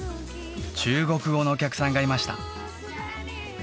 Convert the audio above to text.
中国語のお客さんがいました